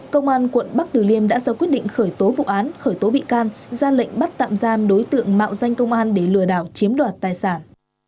công an quận bắc từ liêm đã ra quyết định khởi tố vụ án khởi tố bị can ra lệnh bắt tạm giam đối tượng mạo danh công an để lừa đảo chiếm đoạt tài sản